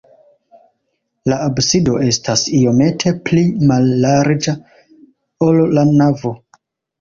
La absido estas iomete pli mallarĝa, ol la navo.